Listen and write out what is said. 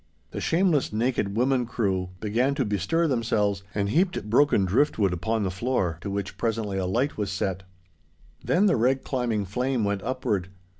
The shameless naked women crew began to bestir themselves, and heaped broken driftwood upon the floor, to which presently a light was set. Then the red climbing flame went upward.